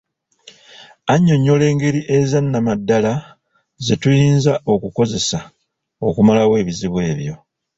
Onnyonnyola engeri ezannamaddala ze tuyinza okukozesa okumalawo ebizibu ebyo.